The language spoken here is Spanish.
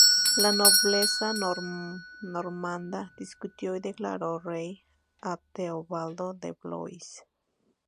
La nobleza normanda discutió y declaró rey a Teobaldo de Blois.